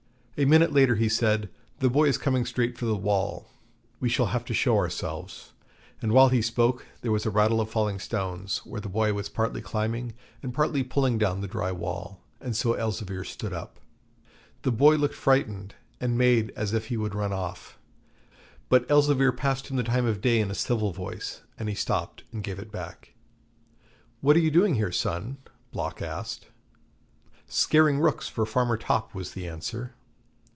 A minute later he said: 'The boy is coming straight for the wall; we shall have to show ourselves'; and while he spoke there was a rattle of falling stones, where the boy was partly climbing and partly pulling down the dry wall, and so Elzevir stood up. The boy looked frightened, and made as if he would run off, but Elzevir passed him the time of day in a civil voice, and he stopped and gave it back. 'What are you doing here, son?' Block asked. 'Scaring rooks for Farmer Topp,' was the answer.